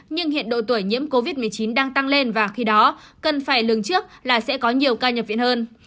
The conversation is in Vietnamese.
nhưng hiện độ tuổi nhiễm covid một mươi chín đang tăng lên và khi đó cần phải lường trước là sẽ có nhiều ca nhập viện hơn